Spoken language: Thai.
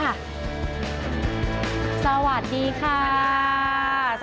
สวัสดีค่ะสวัสดีวิทย์พีมค่ะสวัสดีครับ